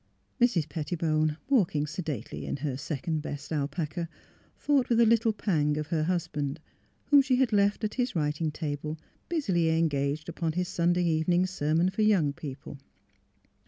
Mrs. Pettibone, walking sedately in her second best alpaca, thought with a little pang of her husband whom she had left at his writing table, busily engaged upon his Sunday evening sermon for young people.